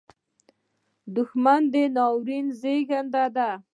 • دښمني د ناورین زېږنده ده.